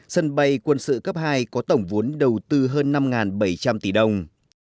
sân bay quân sự cấp hai có tổng vốn đầu tư hơn năm bảy trăm linh tỷ đồng